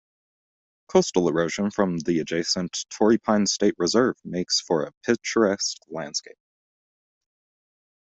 Coastal erosion from the adjacent Torrey Pines State Reserve makes for a picturesque landscape.